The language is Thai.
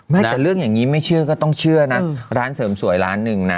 ไม่แต่เรื่องอย่างนี้ไม่เชื่อก็ต้องเชื่อนะร้านเสริมสวยร้านหนึ่งนะ